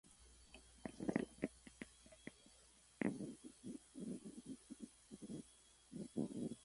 مژدە بەرزنجی نووسەر و چالاکوانێکی کوردە و دانیشتووی وڵاتی سویدە.